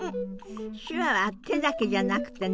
手話は手だけじゃなくてね